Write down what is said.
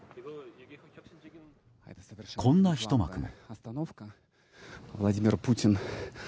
こんなひと幕も。